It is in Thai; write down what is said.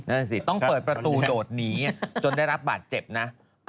นั่นสิต้องเปิดประตูโดดหนีจนได้รับบาดเจ็บนะ